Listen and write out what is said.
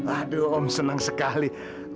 aduh om senang sekali